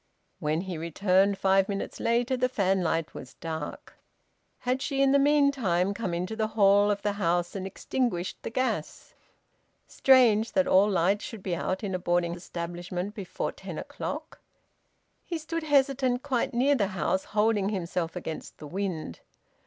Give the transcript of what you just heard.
When he returned, five minutes later, the fanlight was dark. Had she, in the meantime, come into the hall of the house and extinguished the gas? Strange, that all lights should be out in a boarding establishment before ten o'clock! He stood hesitant quite near the house, holding himself against the wind.